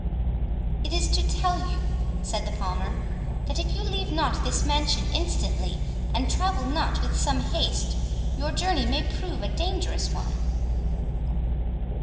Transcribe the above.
"It is to tell you," said the Palmer, "that if you leave not this mansion instantly, and travel not with some haste, your journey may prove a dangerous one."